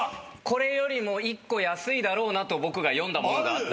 これよりも１個安いだろうなと僕が読んだものがあったので。